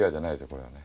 これはね。